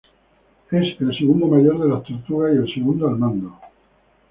Es el segundo mayor de las tortugas, y el segundo al mando.